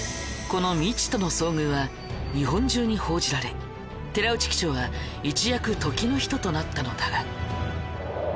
この未知との遭遇は日本中に報じられ寺内機長は一躍時の人となったのだが。